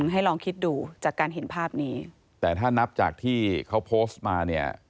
ให้ลองคิดดูจากการเห็นภาพนี้แต่ถ้านับจากที่เขาโพสต์มาเนี่ย